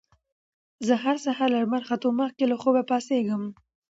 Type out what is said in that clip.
زه هر سهار له لمر ختو مخکې له خوبه پاڅېږم